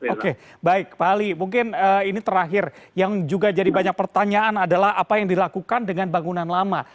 oke baik pak ali mungkin ini terakhir yang juga jadi banyak pertanyaan adalah apa yang dilakukan dengan bangunan lama